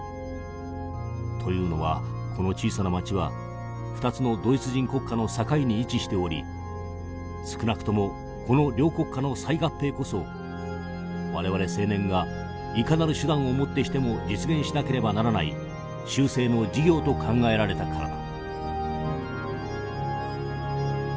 というのはこの小さな町は２つのドイツ人国家の境に位置しており少なくともこの両国家の再合併こそ我々青年がいかなる手段をもってしても実現しなければならない終生の事業と考えられたからだ」。